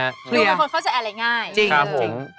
หรือบางคนเขาจะแอร์ไหล่ง่ายจริงครับผม